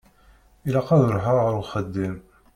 Ilaq ad ṛuḥeɣ ar uxeddim.